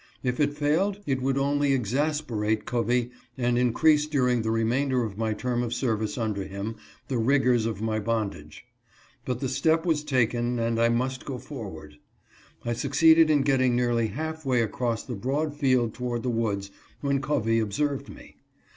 If it failed it would only exas perate Covey and increase during the remainder of my term of service under him, the rigors of my bondage. But the step was taken and I must go forward. I succeeded in getting nearly half way across the broad field toward the woods, when Covey observed me.